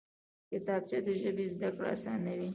کتابچه د ژبې زده کړه اسانوي